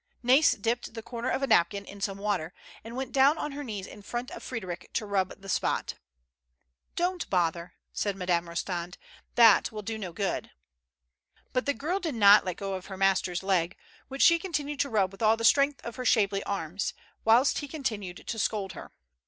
Nais dipped the corner of a napkin in some water, and went down on her knees in front of Frederic to rub the spot. "Don't bother," said Madame Kostand. "That will do no good." But the girl did not let go of her master's leg, which she continued to rub with all the strength of her shapely arms, whilst he continued to scold her.